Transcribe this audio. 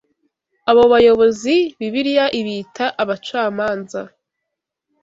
Abo bayobozi Bibiliya ibita abacamanza.